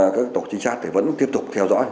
các tổ chính sát vẫn tiếp tục theo dõi